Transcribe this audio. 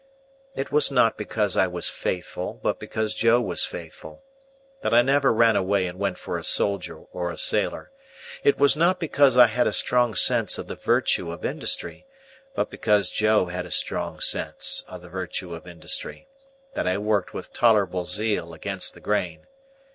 It was not because I was faithful, but because Joe was faithful, that I never ran away and went for a soldier or a sailor. It was not because I had a strong sense of the virtue of industry, but because Joe had a strong sense of the virtue of industry, that I worked with tolerable zeal against the grain.